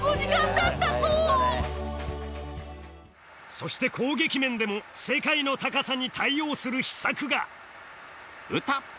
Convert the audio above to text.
そして攻撃面でも世界の高さに対応する秘策が打った！